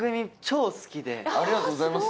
ありがとうございます。